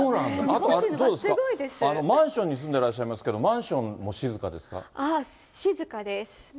マンションに住んでらっしゃいますけれども、マンションも静かで静かです。